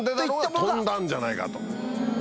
飛んだんじゃないかと。